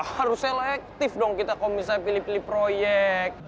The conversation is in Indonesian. harus selektif dong kita kalau misalnya pilih pilih proyek